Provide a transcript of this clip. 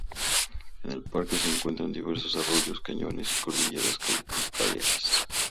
En el parque se encuentran diversos arroyos, cañones y cordilleras calcáreas.